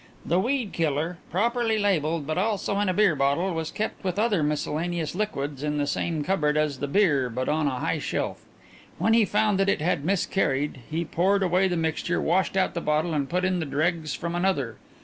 The weed killer, properly labelled, but also in a beer bottle, was kept with other miscellaneous liquids in the same cupboard as the beer but on a high shelf. When he found that it had miscarried he poured away the mixture, washed out the bottle and put in the dregs from another.